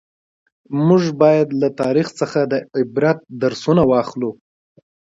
موږ باید له تاریخ څخه د عبرت درسونه واخلو.